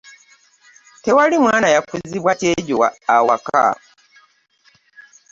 Tewali mwana yakuzibwa kyejo awaka.